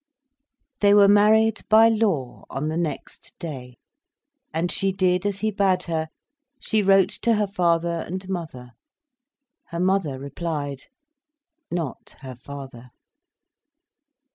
They were married by law on the next day, and she did as he bade her, she wrote to her father and mother. Her mother replied, not her father.